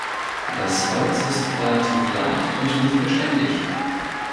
Das Holz ist relativ leicht und nicht beständig.